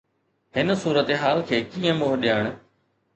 هن صورتحال کي ڪيئن منهن ڏيڻ؟